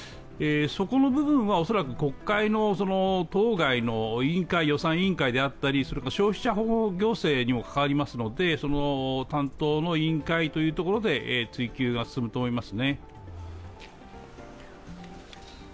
そこの部分は恐らく国会の当該の予算委員会であったりそれから消費者法、行政にも関わりますので担当の委員会というところで追求が進むと思います。